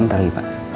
ntar lagi pak